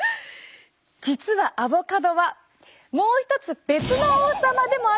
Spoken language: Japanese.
実はアボカドはもう一つ別の王様でもあることが判明したんです。